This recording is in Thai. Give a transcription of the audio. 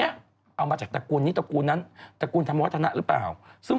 อีกครั้งนึง